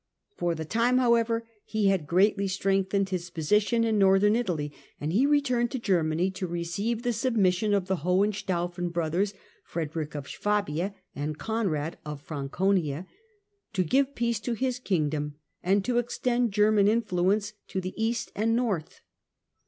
For the time, however, he had greatly strengthened his position in Northern Italy, and he returned to Germany Frederick to receive the submission of the Hohenstaufen brothers, and Conrad Frederick of Swabia and Conrad of Franconia, to coiSr" 8^^^ peace to his kingdom and to extend German influence to the east and north.